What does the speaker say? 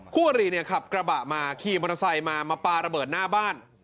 คู่อริเนี่ยขับกระบะมาขี่มอเตอร์ไซค์มามาปลาระเบิดหน้าบ้าน